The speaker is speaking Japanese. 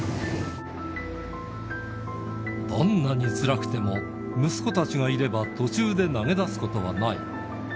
どんなにつらくても、息子たちがいれば途中で投げ出すことはない。